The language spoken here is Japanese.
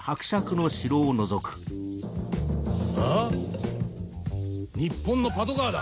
あ⁉日本のパトカーだ！